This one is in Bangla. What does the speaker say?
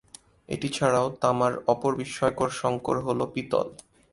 এটি ছাড়াও তামার অপর বিস্ময়কর সংকর হল পিতল।